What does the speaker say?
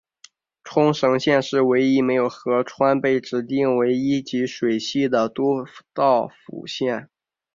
冲绳县是唯一没有河川被指定为一级水系的都道府县。